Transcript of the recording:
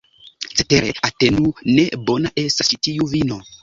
Cetere atendu, ne bona estas ĉi tiu vino!